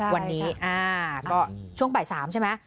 วันนี้ก็ช่วงบ่าย๓ใช่ไหม